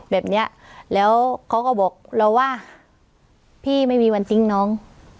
แบบนี้แล้วเขาก็บอกเราว่าพี่ไม่มีวันทิ้งน้อง